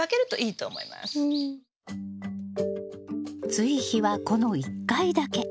追肥はこの１回だけ。